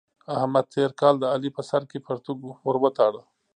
احمد تېر کال د علي په سر کې پرتوګ ور وتاړه.